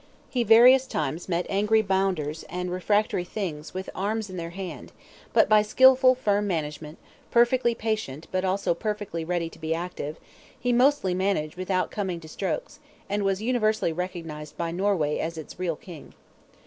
He various times met angry Bonders and refractory Things with arms in their hand; but by skilful, firm management, perfectly patient, but also perfectly ready to be active, he mostly managed without coming to strokes; and was universally recognized by Norway as its real king.